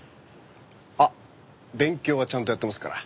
あっ勉強はちゃんとやってますから。